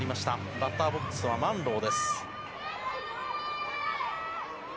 バッターボックスはマンロー。